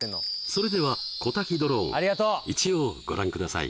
それでは小瀧ドローン一応ご覧ください